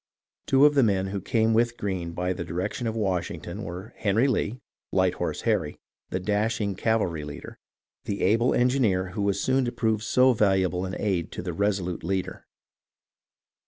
Two of the men who came with Greene by the direction of Washington were Henry Lee (Light Horse Harry), the dashing cavalry leader, and Kosciusko, the able engineer who was soon to prove so valuable an aid to the resolute leader.